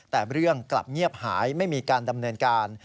แต่เรื่องกลับเงียบหายไม่มีการดำเนินการ